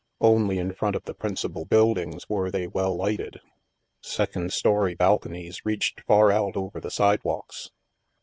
Only in front of the principal buildings were they well lighted. Second story balconies reached far out over the side walks.